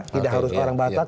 tidak harus orang batak